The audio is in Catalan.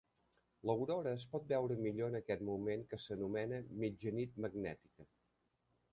L'aurora es pot veure millor en aquest moment, que s'anomena "mitjanit magnètica".